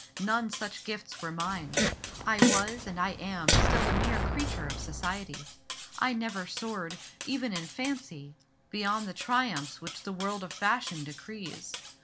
None such gifts were mine. I was and I am still a mere creature of society. I never soared, even in fancy, beyond the triumphs which the world of fashion decrees.